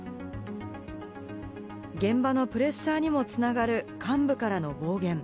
現場のプレッシャーにもつながる幹部からの暴言。